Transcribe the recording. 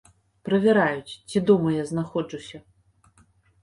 Правяраюць, ці дома я знаходжуся.